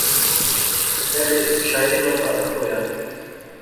پہلے شاعریں ناں تعارف ہویا